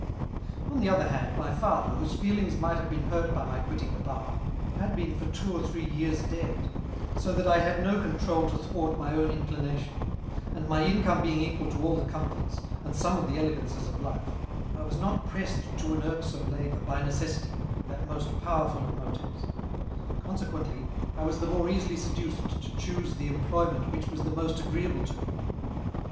On the other hand, my &ther, whose feeliogs might have been hurt by my quitting the bar, had been for two or three years dead, so that I had no control to thwart my own inclination : and my income being equal to all the comforts, and some of the elegances, of life, t was not pressed to an irksome labour by necessity, that most powerful of motives ; consequently, I was the more easily seduced to choose the employment which was the most agreeable to me.